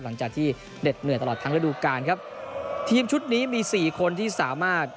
หลังจากที่เหน็ดเหนื่อยตลอดทั้งฤดูการครับทีมชุดนี้มีสี่คนที่สามารถ